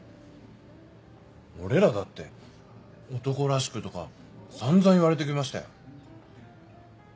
俺らだって「男らしく」とか散々言われて来ましたよ。